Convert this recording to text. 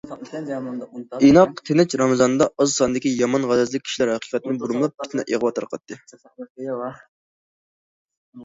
ئىناق، تىنچ رامىزاندا، ئاز ساندىكى يامان غەرەزلىك كىشىلەر ھەقىقەتنى بۇرمىلاپ، پىتنە- ئىغۋا تارقاتتى.